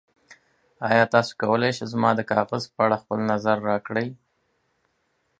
ایا تاسو کولی شئ زما د کاغذ په اړه خپل نظر راکړئ؟